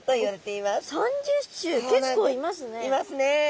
いますね。